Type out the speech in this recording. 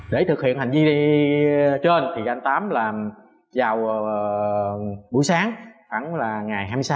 để thực hiện hành vi trên thì anh tám là vào buổi sáng khoảng là ngày hai mươi sáu